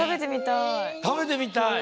たべてみたい。